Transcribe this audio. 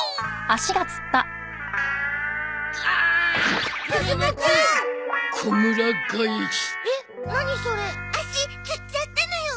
足つっちゃったのよ！